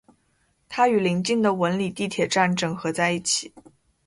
它与临近的文礼地铁站整合在一起。